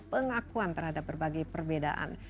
pengakuan terhadap berbagai perbedaan